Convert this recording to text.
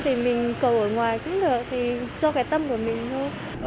cầu ở ngoài cũng được thì do cái tâm của mình thôi